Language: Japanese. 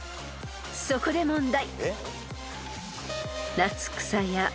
［そこで問題］